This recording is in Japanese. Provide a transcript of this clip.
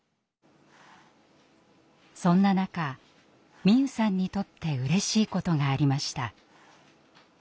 そんな中美夢さんにとってうれしいことがありました。